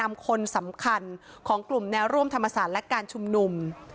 คนสำคัญของกลุ่มแนวร่วมธรรมศาสตร์และการชุมนุม